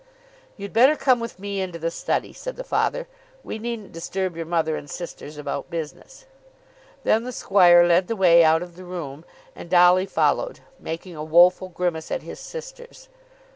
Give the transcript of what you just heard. "You'd better come with me into the study," said the father. "We needn't disturb your mother and sisters about business." Then the squire led the way out of the room, and Dolly followed, making a woful grimace at his sisters.